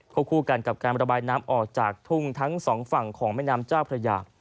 คู่กันกับการระบายน้ำออกจากทุ่งทั้งสองฝั่งของแม่น้ำเจ้าพระยา